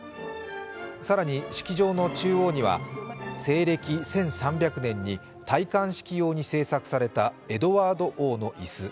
更に式場の中央には西暦１３００年に戴冠式用に制作されたエドワード王の椅子。